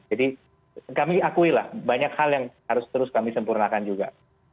jadi kami akui lah banyak hal yang harus terus kami sempurnakan juga